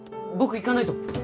僕行かないと。